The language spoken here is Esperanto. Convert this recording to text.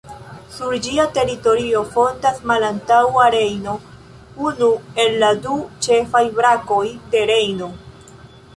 Sur ĝia teritorio fontas Malantaŭa Rejno, unu el la du ĉefaj brakoj de Rejno.